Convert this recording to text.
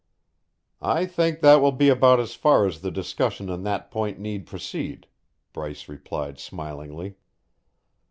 "I think that will be about as far as the discussion on that point need proceed," Bryce replied smilingly.